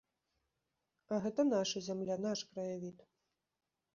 А гэта наша зямля, наш краявід.